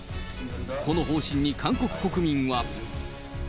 この方針に韓国国民は。